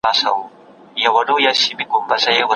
د کار او ژوند ترمنځ توازن د خلکو لپاره مهم دی.